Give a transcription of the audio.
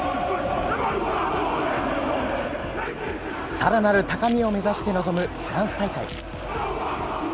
さらなる高みを目指して臨むフランス大会。